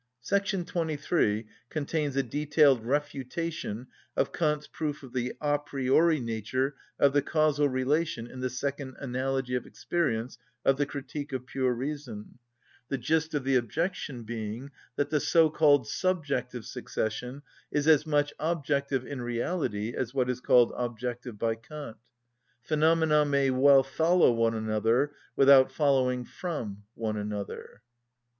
Section 23 contains a detailed refutation of Kant's proof of the a priori nature of the causal relation in the "Second Analogy of Experience" of the Critique of Pure Reason, the gist of the objection being that the so‐called subjective succession is as much objective in reality as what is called objective by Kant: "Phenomena may well follow one another, without following from one another."